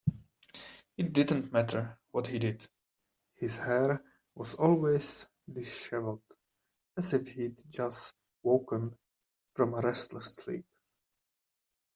It didn't matter what he did, his hair was always disheveled, as if he'd just woken from a restless sleep.